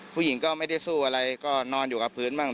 ผู้หญิงก็ไม่ได้สู้อะไรก็นอนอยู่กับพื้นบ้าง